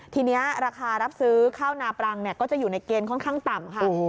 ทีนี้ราคารับซื้อข้าวนาปรังก็จะอยู่ในเกณฑ์ค่อนข้างต่ำค่ะ